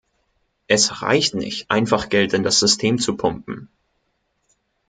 Es reicht nicht, einfach Geld in das System zu pumpen.